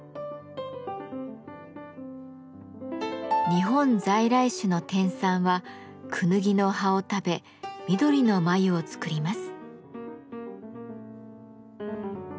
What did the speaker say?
日本在来種の天蚕はクヌギの葉を食べ緑の繭を作ります。